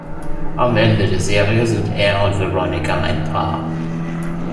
Am Ende der Serie sind er und Veronica ein Paar.